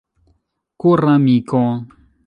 koramiko